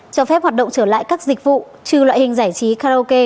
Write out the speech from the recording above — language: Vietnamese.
cho phép hoạt động trở lại các dịch vụ trừ loại hình giải trí karaoke